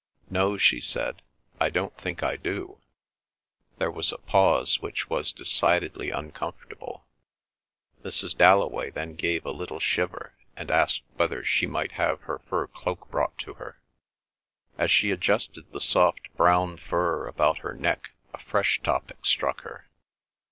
"No," she said. "I don't think I do." There was a pause, which was decidedly uncomfortable. Mrs. Dalloway then gave a little shiver, and asked whether she might have her fur cloak brought to her. As she adjusted the soft brown fur about her neck a fresh topic struck her.